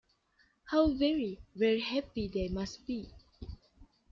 How very, very happy they must be!